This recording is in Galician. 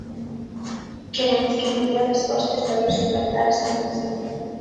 Queremos que nos dea resposta e saber se vai dar esa información.